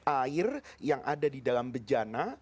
air yang ada di dalam bejana